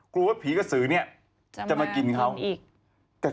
กลัวว่าผีกระสือนี้จะมากินเข้า